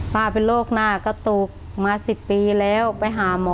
เป็นโรคหน้ากระตุกมา๑๐ปีแล้วไปหาหมอ